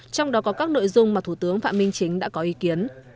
đặc biệt là các địa phương khu vực biên giới